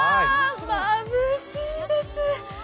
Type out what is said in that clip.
まぶしいです！